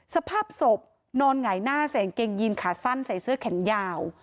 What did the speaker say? สภาพศพนอนหงายหน้าใส่กางเกงยีนขาสั้นใส่เสื้อแขนยาว